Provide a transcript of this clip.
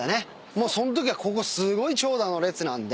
もうそんときはここすごい長蛇の列なんで。